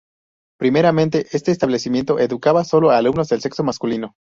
Primeramente, este establecimiento educaba sólo a alumnos del sexo masculino.